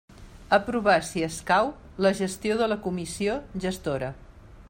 Aprovar, si escau, la gestió de la Comissió Gestora.